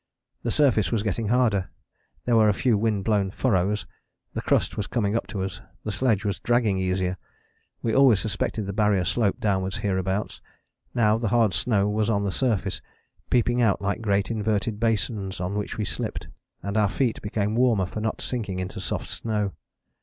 The surface was getting harder: there were a few wind blown furrows, the crust was coming up to us. The sledge was dragging easier: we always suspected the Barrier sloped downwards hereabouts. Now the hard snow was on the surface, peeping out like great inverted basins on which we slipped, and our feet became warmer for not sinking into soft snow.